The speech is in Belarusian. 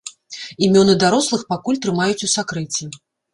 Імёны дарослых пакуль трымаюць у сакрэце.